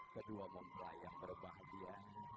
kedua mempelai yang berbahagia